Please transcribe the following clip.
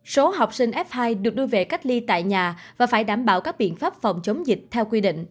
số học sinh f hai được đưa về cách ly tại nhà và phải đảm bảo các biện pháp phòng chống dịch theo quy định